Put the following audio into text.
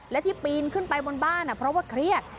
และที่ปีนขึ้นไปบนบ้านเพราะว่าเครียด